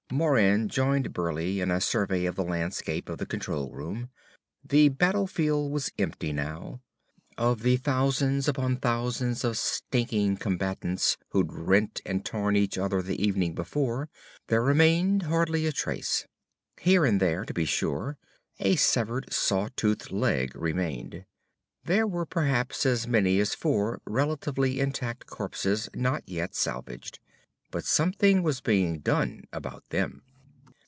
Moran joined Burleigh in a survey of the landscape from the control room. The battlefield was empty now. Of the thousands upon thousands of stinking combatants who'd rent and torn each other the evening before, there remained hardly a trace. Here and there, to be sure, a severed saw toothed leg remained. There were perhaps as many as four relatively intact corpses not yet salvaged. But something was being done about them.